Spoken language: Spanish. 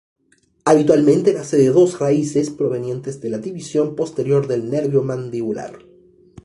Habitualmente nace de dos raíces provenientes de la división posterior del nervio mandibular.